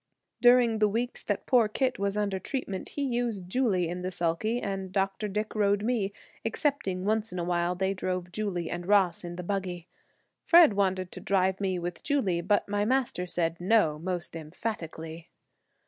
During the weeks that poor Kit was under treatment, he used Julie in the sulky and Dr. Dick rode me, excepting once in a while they drove Julie and Ross in the buggy. Fred wanted to drive me with Julie, but my master said "No," most emphatically.